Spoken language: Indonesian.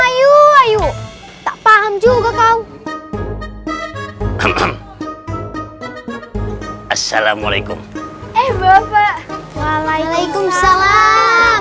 ayo ayo tak paham juga kau eh eh eh assalamualaikum eh bapak waalaikumsalam